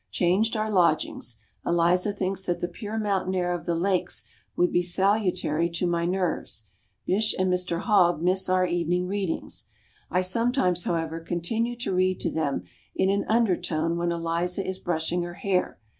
Changed our lodgings. Eliza thinks that the pure mountain air of the Lakes would be salutary to my nerves. Bysshe and Mr Hogg miss our evening readings. I sometimes, however, continue to read to them in an undertone when Eliza is brushing her hair.